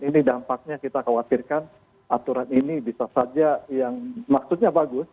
ini dampaknya kita khawatirkan aturan ini bisa saja yang maksudnya bagus